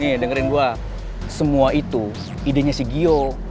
nih dengerin gue semua itu idenya si giol